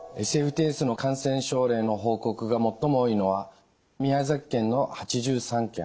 ＳＦＴＳの感染症例の報告が最も多いのは宮崎県の８３件。